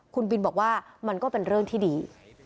คุณบินบอกว่ามันก็เป็นเรื่องที่ดี